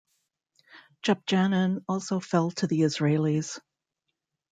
Joub Jannine also fell to the Israelis.